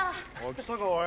来たかおい。